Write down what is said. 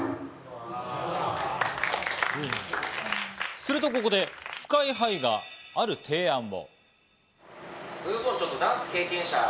すると、ここでＳＫＹ−ＨＩがある提案を。